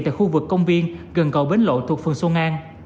tại khu vực công viên gần cầu bến lộ thuộc phường xuân an